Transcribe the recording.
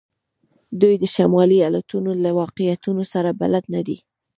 دوی د شمالي الوتنو له واقعیتونو سره بلد نه دي